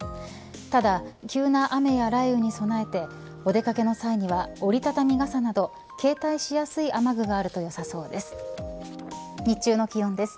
ただ急な雨や雷雨に備えてお出掛けの際には折り畳み傘など携帯しやすい雨具があるとよさそうです。